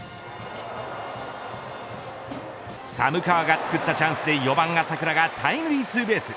寒川が作ったチャンスで４番、浅倉がタイムリーツーベース。